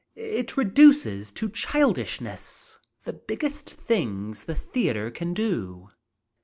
It reduces to childishness the biggest things the theatre can do."